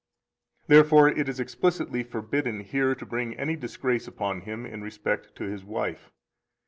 Therefore it is explicitly forbidden here to bring any disgrace upon him in respect to his wife.